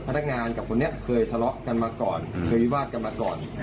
พนักงานกับคนนี้เคยทะเลาะกันมาก่อนเคยวิวาดกันมาก่อน